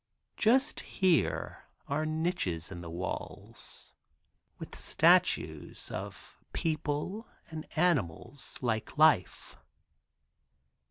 Just here are niches in the walls with statues of people and animals like life.